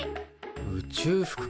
宇宙服か。